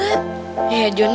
ya johnny bingungnya